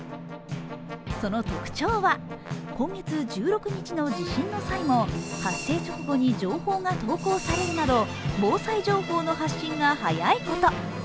その特徴は、今月１６日の地震の際も発生直後に情報が投稿されるなど防災情報の発信が早いこと。